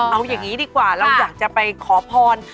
เอาอย่างนี้ดีกว่าเราอยากจะไปขอพร